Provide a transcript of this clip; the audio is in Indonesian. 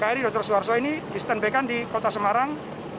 kri dr suharto ini disetembekan di kota semarang